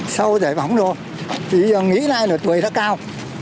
sau giải phóng rồi thì giờ nghĩ lại là tuổi rất cao